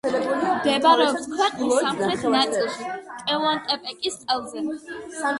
მდებარეობს ქვეყნის სამხრეთ ნაწილში, ტეუანტეპეკის ყელზე.